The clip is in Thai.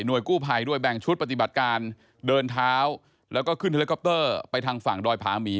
กู้ภัยด้วยแบ่งชุดปฏิบัติการเดินเท้าแล้วก็ขึ้นเฮลิคอปเตอร์ไปทางฝั่งดอยผาหมี